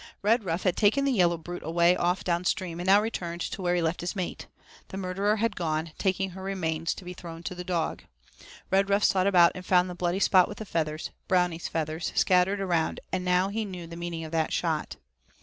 Redruff had taken the yellow brute away off downstream, and now returned to where he left his mate. The murderer had gone, taking her remains, to be thrown to the dog. Redruff sought about and found the bloody spot with feathers, Brownie's feathers, scattered around, and now he knew the meaning of that shot.